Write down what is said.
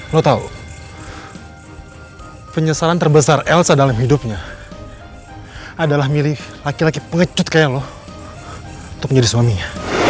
lo tahu penyesalan terbesar elsa dalam hidupnya adalah milih laki laki pengecut kayak lo untuk menjadi suaminya